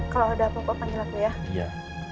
kalau ada apa apa panggil aku ya